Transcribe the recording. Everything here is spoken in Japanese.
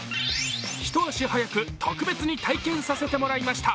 一足早く特別に体験させてもらいました。